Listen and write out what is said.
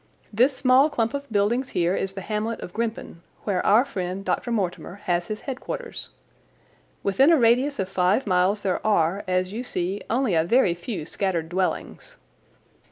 This small clump of buildings here is the hamlet of Grimpen, where our friend Dr. Mortimer has his headquarters. Within a radius of five miles there are, as you see, only a very few scattered dwellings.